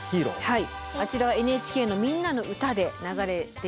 はいあちらはＮＨＫの「みんなのうた」で流れているんですけれども。